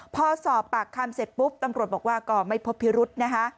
พอสอบปากคำเสร็จปุ๊บตำรวจบอกว่าก็ไม่พบพิรุธนะคะ